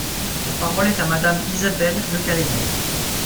La parole est à Madame Isabelle Le Callennec.